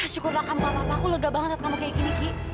syukurlah kamu gak apa apa aku lega banget kamu kayak gini ki